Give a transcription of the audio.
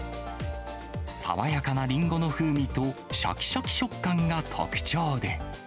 爽やかなリンゴの風味としゃきしゃき食感が特徴で。